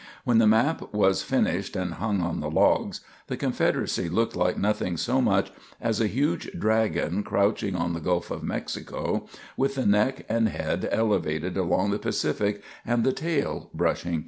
When the map was finished and hung on the logs, the Confederacy looked like nothing so much as a huge dragon crouching on the Gulf of Mexico, with the neck and head elevated along the Pacific and the tail brushing Cuba.